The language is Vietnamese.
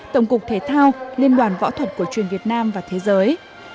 tổng cục thể thao liên đoàn võ thuật cổ truyền việt nam và thế giới